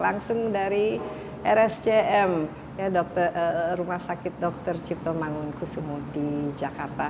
langsung dari rsjm ya dokter rumah sakit dokter cipto mangun kusumo di jakarta